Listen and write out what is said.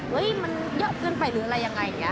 มันเยอะเกินไปหรืออะไรยังไงอย่างนี้